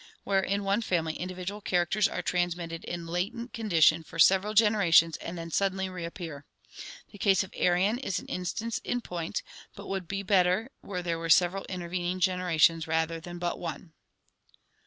Where in one family individual characters are transmitted in latent condition for several generations and then suddenly reappear. The case of Arion is an instance in point, but would be a better were there several intervening generations rather than but one.